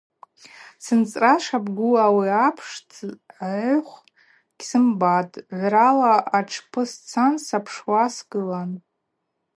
Сынцӏра шабгу ауи апш дзгӏыхв гьсымбасызтӏ – гӏврала атшпы сцан сапшуа сгылан.